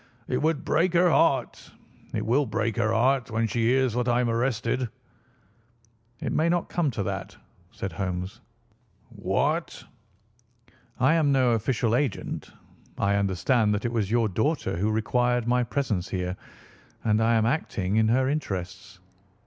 It would break her heart—it will break her heart when she hears that I am arrested." "It may not come to that," said Holmes. "What?" "I am no official agent. I understand that it was your daughter who required my presence here, and I am acting in her interests.